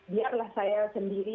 biarlah saya sendiri